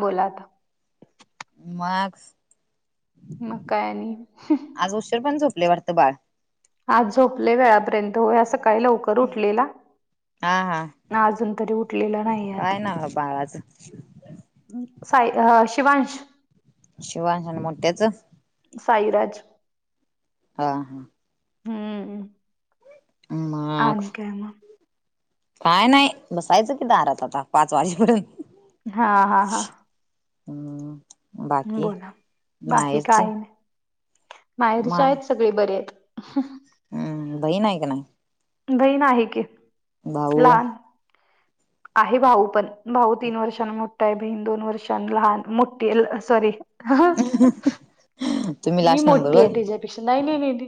बोला. मार्क्स. मग काय आणि आज उशर पण झोपले वाटतं बाळ आज झोपले वेळापर्यंत हो या सकाळी लवकर उठलेला हा हा ना अजून तरी उठलेलं नाही आत काय ना बाळाचं साई शिवांश शिवाश आणि मोठ्याच साईराज हा हा हम्म ह म आणि काय मग काय नाही बसायचं किती आरत आता पाच वाजेपर्यंत हा हा हा हम्म बाकी बोला मायरच माहेरच्या आहेत सगळे बरे आहेत हम्म बही नाही का नाही बहीण आहे की भाऊ लहान आहे भाऊ पण भाऊ तीन वर्षां मोठा आहे बहीण दोन वर्षां लहान मोठी सॉरी हा [inaudible] [inaudible] मी नंबर मोठी होय आहे तच्यापेक्षा नाही ललेली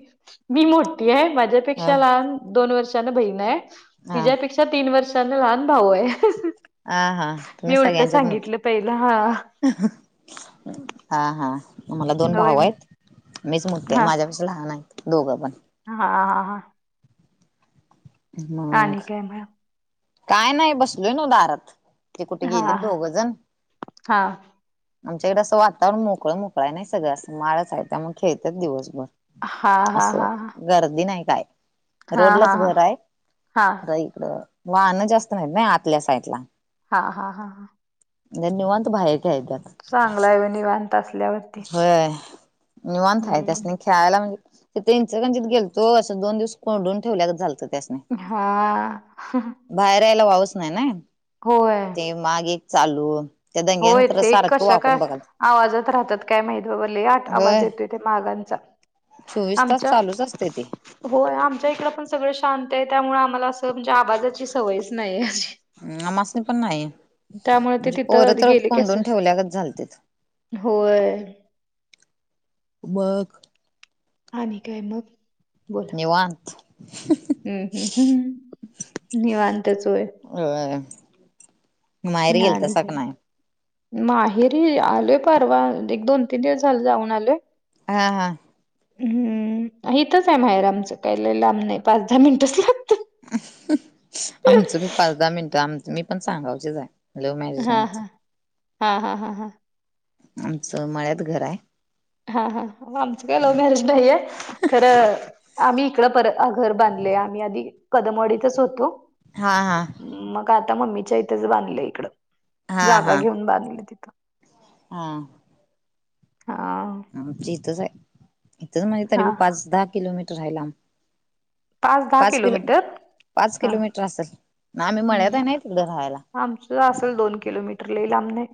मी मोठी आहे हा माझ्यापेक्षा लहान दोन वर्षांान बहीण आहे हा तिच्यापेक्षा तीन वर्षांने लहान भाऊ आहे हा हा तुम्ही मी उलट सगळ्यांच्याच मोठे सांगितलं पहिला ह हा हा मला दोन होय. भाऊ आहेत मीच मुद्द माझ्या लहान आहेत दोघं पण हा हा हा आणि मग काय मग? काय नाही बसलोय ना दारात ते कुठे हां, गेले हां. दोघजण हां. आमच्याकडें असं वातावरण मोकळं मोकळा नाही सगळं असं माळच आहे त्या मग खेळतात दिवसभर हां, असं गर्दी नाही काय हा हा रोडलाच हा घर आहे हा खरं इकडं वाहनं जास्त नाहीत ना आतल्या साईडला हा हा हा हा नेवंतु भय काय्या चांगला आहे निवांत असल्यावर होय निवाण य त्यास न खेळायला म्हणजे इंचकंचित गेलतो असं दोन दिवस कोंडून ठेवल्या झालतं त्यास नाही हा बाहेर यायला वाहच नाही ना होय मागे चालू त्या होय. दंग्यानंतर ते सारखं कशा काय वापून बघा आवाजात राहतात काय माहिती आठ आवाज होय येतोथ मागांचा चोवीस तास आमच्या चालूच असते ते होय आमच्या इकडं पण सगळं शांत आहे त्यामुळे आम्हाला असं म्हणजे आवाजाची सवयच नाहीे अ आमासणी पण नाही त्यामुळे ते म्हणजे तिथं पोरत गेले की असं कोंडून ठेवल्या का झालत होय मघ आणि काय मग बोल टत हम्म हम्म हम् निवांतचोय ह ना काय माहेरी आलोय परवा एक दोन तीन दिवस झाल जाऊन आलोय हा हा हम्म इथंच आहे माहेर आमचं काही ल लांब नाही पाच दहा मिनिटच ला आमचं मी पाच दहा मिनट आमच मी पण सांगावचेच आहे हा हा हा हा हा हा आमचं माळ्यात घर आहे हा हा आमचं काही लव मॅरज नाहीये खरं आम्ही इकड पर घर बांधले आम्ही आधी कदमवाडीतच होतो हा हा मग आता मम्मीच्या इथेच बांधलं इकड हा जागा हा घेऊन बांधली तिथे हा हां आमची इथच आहे इथंच माझे तरीी हा पाच दहा किलोमीटर राहिला आ पाच दहा किलोमीटर पाच हा् किलोमीटर असल आम्ही मळ्यात हाय नाही तिकडं राहायला आमचं असेल दोन किलोमीटर लई लांब नाही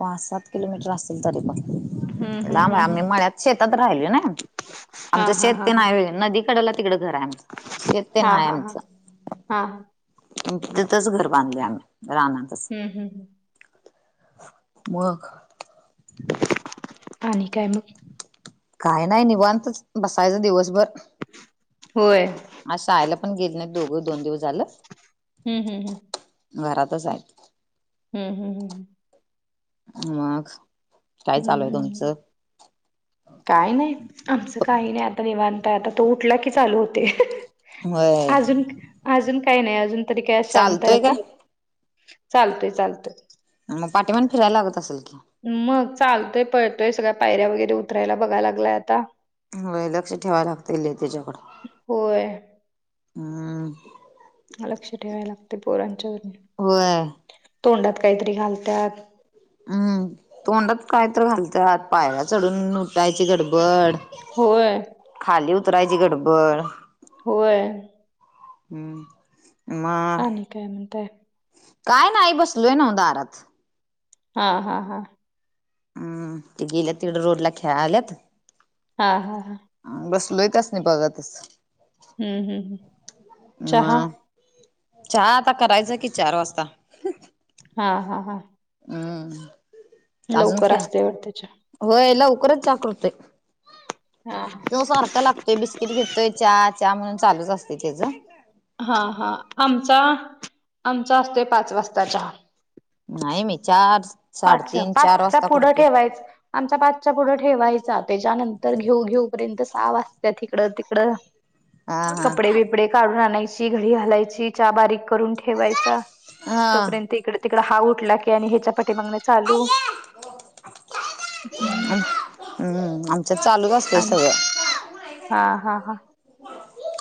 पाच सात किलोमीटर असतील तरी पण हम्म हम्म लाब हम्म आम्ही मळ्यात शेतात राहिल ना हा आमचं हा शेत हा ते नाही नदी तिकडला तिकडे घरा आहे हा हा हा हा हा तिथंच घर बांधले आम्ही राहनाचा हम् हम् हम म हाणी काय म काय नाही निबांतच बसायचं दिवसभर होय आहायला पण गेले नाही दोघ दोन दिवस झालं हम्म हम्म घरातच आहेत हम् हम् हम मग काय चालूय तुमचं काही नाही आमचं काही नाही आता निवांतय आता तो उठला की चालू होते होय अजून अजून काही नाही अजून तरी काय शांत आहे चालतोय आता काय चालतोय चालतोय मग पाठी पण फिरायला लागत असेल की मग चालतोय पळतोय सगळ्या पायऱ्या वगैरे उतरायला बघाय लागलाय आता लक्ष ठेवाय लागत त्याच्याकडे होय. हम् लक्ष ठेवाय लागते पोरांच्या वून होय तोंडात काहीतरी घालतात हम्म तोंडात काय तर घालतात पायऱ चढून लुटायची गडबड- होय खाली उतरायची गडबड होय हम्म म आणि काय म्हणताय काय नाही बसलोय ना दारात हा हा हा हम्म ते गेलेत तिकडं रोडला खेळा आल्यात हा हा हा बस लोईताच नाही बघा तस हम्म हम्म हम्म म चहा चहा आता करायचं कि चार वाजता हा हा हा हम्म अजून लवकर क्या असते वाटत चहा होय लवकरच कृते हा तो सारखा लागत ते बिस्किट घेतय चा म्हणून चालूच असते त्याचं हा हा आमचा आमचा असतोय पाच वाजता च नाही मीचार पाच पाचचा पुढं ठेवायच आमचा पाचच्या पुढं ठेवायचा त्याच्यानंतर घेऊ घेऊपर्यंत साव वाजत तिकडं तिकडं ह कपडे विपडे घरून राह घ घालायची बारीक करून ठेवाय तोपर्यंत इक तिकड हा उठला की आणि ह्याच्या पाठी बगणे चालू हम्म. हम्म आमचत चालू असतय आणि सगळं हा हा हा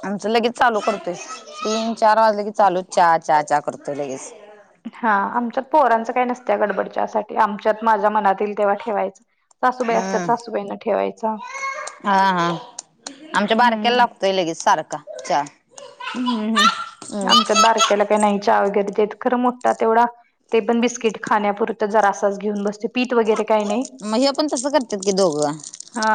आमचं लगेच चालू करतोय तीन चार वाज लगेच चालू हा चहा चा करतोय लगेच हा आमच्यात पोहरांच काही नसतं गडबडच्यासाठी आमच्यात माझ्या मनातील तेव्हा ठेवायच सासूबाई असतात हम्म सासूबाईन ठेवायच हा हा आमच्या बारक्याला हम्म लागतोय लगेच सारखा चार हम्मम् आमच्यात बारक्याला काही नाही चा वगैरे देत खरं मोठा तेवढा ते पण बिस्किट खाण्यापुरत जरा असाच घेऊन बसते पीत वगैरे काय नाही मग हे पण तसं करतात की दोघं हा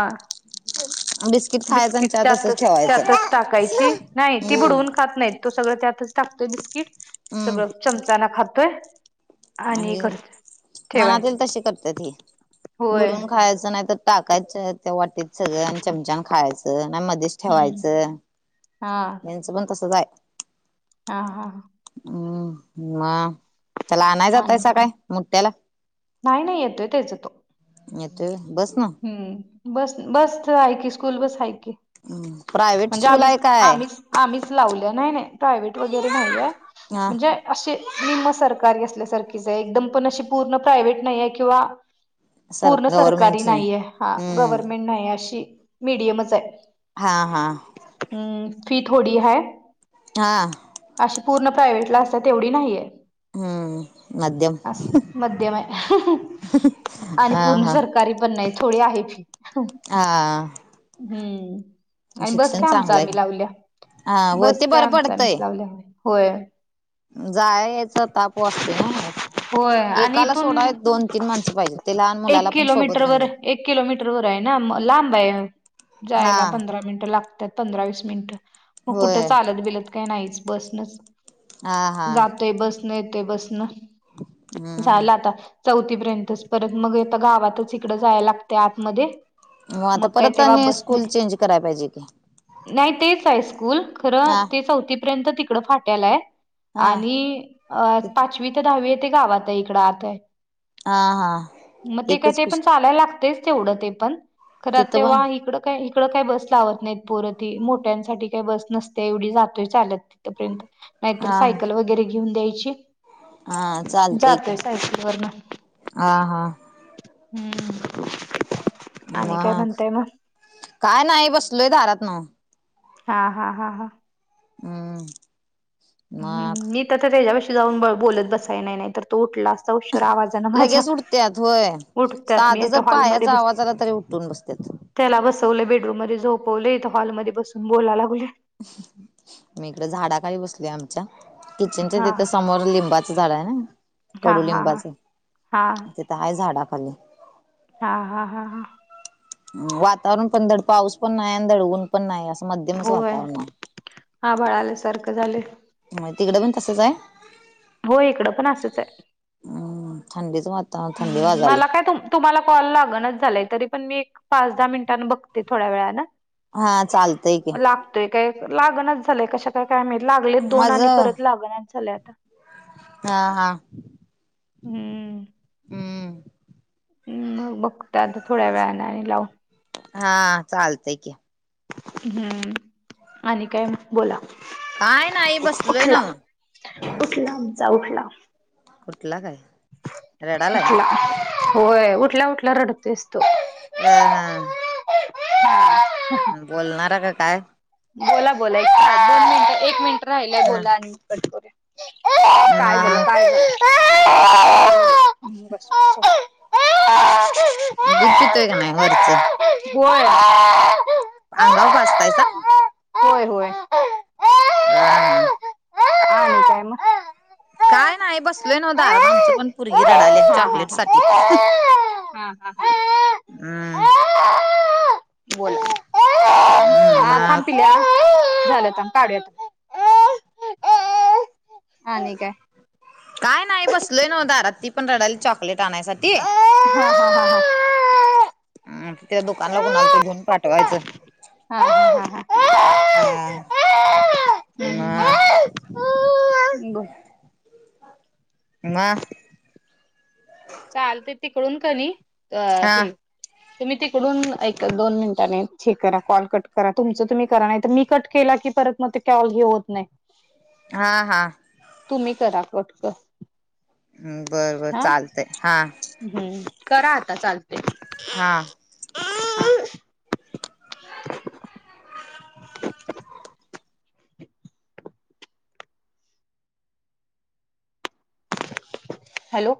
बिस्किट खायचं आणि बिस्किट चहा त्यात तसच ठेवायचं. त्यातच टाकायची नाही ती हम्म बुडवून खात नाही तो सगळं त्यातच टाकतोय बिस्किट सगळं हम्म चमचाना खातोय आणि ठेवायच मनातील ते. तशी करतात हे होय बुडून खायचं नाही तर टाकायचं ते वाटीत सगळं आणि चमचाान खायचं नाही मध्येच हम्म ठेवायचं हा त्यांचं पण तसं जाय हा हा हा हम्म म चला आणय जातय आणि सकाळी मुठठ्याला नाही नाही येतोय तेच येतो येत बस ना हम्म बस बस ऐ क स्कूल बस ऐ क हम् प्रय म्हणजे आम्हीच आम्हीच आम्हीच लावल्या नाही नाही प्रायव्हेट वगैरे नाहीये हा म्हणजे अे निम्म सरकारी असल्यासारखीच आहे एकदम पण अशी पूर्ण प्रायव्हेट नाही आहेे किंवा सर गवर्नमेंट नाहीे हा गव्हर्मेंट नाही अशी मीडियमच आहे हा हा हम्म फी थोडी है हां अशी पूर्ण प्रायव्हेट ला असतात तेवढी नाहीये हम्म मध्यम अस मध्यम आहे आणि हा हा पूर्णसारखं तारी पन नाहीई थोडी आहे फी आ हम्म आणि बस काय आमचा चांगलंय आम्ही का? लावल्या हा हो बस ते काय बरं आमचा आम्हीच पडतंय लावल्या होय जाय याचा ताप असतोय ना होय आणि एकाला इथून सोडा दोन तीन माणसं पाहिजे ते लहान मुलाला पण सोबत व घेऊन जा एक किलोमीटर वर आहे ना लांब आहे हा जायला पंधरा मिनट लागत त पंधरा वस मिनिट मग होय कुठं चालत बिलत काही नाहीच बसनच हां हा ते बसन येते बसन हम्म झालं आता चौथीपर्यंतच परत मग गावातच इकडं जायला लागतंय आतमध्ये मग आता काय परत तेव्हा आणि बस स्कूल नाही चेंज कराय पाहिजे की नाही तेच आहे स्कूल खरं हा ते चौथीपर्यंत तिकडं फाट्याला आहे हा आणि अ पाचवी ते दहावी ते गावात आहे इकडं आत आहे हा हा मग ते काय एकच ते कुस चालायला लागते तेवढ ते पण खरं तिथं पण तेव्हा हिकडं का इकड काही बस लावत नाहीत पोर ती मोठ्यांसाठी काही बस नसते एवढी जातोय चालत पर्यंत नाहीतर हा सायकल वगैरे घेऊन द्यायची हा चालतंय की जातोय सायकलवरन हा हा हम्म आणि काय मग म्हणताय काय नाही बसलोय दारात नव्ह हा हा हा हा हम् मग हम्म मी तर त्याच्याविषी जाऊन बोलत बसाय नाही नाही तर तो उठला असता उशर आवाजाने माझ्या लगेच उठत्यात होय. उठतात मी साधं आता जर हॉलमध्ये पायाचा बसले आवाज आला तरी उठून बसत्यात. त्याला बसवलं बेडरूम मध्ये झोपवलेथ हॉलमध्येध्ये बसून बोलाय लागलोय मी इकड झाडा खाली बसलोय आमच्या अच्छा किचनच्या हा तिथं समोर लिंबाच झाड आहे ना हा हा हा हा कडुलिंबाच हा तिथं हाय झाडाखाली हा हा हा हा वातावरण पण धड पाऊस पण नाही आणि धड ऊन पण नाही असं मध्यमच होय वातावरण आहे आभाळ आल्यासारखं झालंय मग तिकडें पण तसंच आहे हो इकडं पण असंच आहे हम्म थंडीचं वाजायला हम्म मला काय तुम तुम्हाला कॉल लागणच झालंय तरी पण मी एक पाच दहा मिनिटांंन बघते थोड्या वेळान हा चालतंय की काय लागणच झालंय कशा काय काय लागले दोन आणि माझं परत लागणच झालंय आता हा हा हम्म हम्म हम् मग बघते आता थोड्या वेळाने आणि लावून हा चालतंय की हम्म आणि काय बोला काय नाही बसलोय उठला नव्ह उठला आमचा उठला उठला काय रडालाय उठला होय उठल्या उठल्या रडतोयच तो अ हा हा [unintelligible] बोलणार का काय बोला बोला एक दोन मिनिट एक मिनिट राहिलय हा बोला आणि कट कर. काय झालं मग काय? ह्ा [inaudible] [unintelligible] दूध पितोय का नाही वरचं होय. अंगावर पाजतायसा. होय होय. हा हा. आणि काय मग हा काय नाही बसलोय न हा दारात आमचं पण हा परगी रडाल्या हा चॉकलेट साठी [unintelligible] हम्. बोल. हम्म मग थांपल्या झालंत काढूयात. हा न का आहे. काय नाही बसलय न्ह द राती पंधराडाली चॉकलेट आणायसाठी ह हा हा ह ह. हम त्या दुकानला कुणाला तर घेऊन पाठवायचं. हा हा हम्म. हा हा हम्म ह. बोला म चालते तिकडून का नाही हे. ह. तुम्ही तिकडून एक दोन मिनिटाने हे करा कॉल कट करा तुमचं तुम्ही करा नाही तर मी कट केला की परत मग ते कॉल ही होत नाही. हा हा. तुम्ही करा कटक हम् बर बर चालतय हा. हम्म करा आता चालते. हा. [unintelligible] हॅलो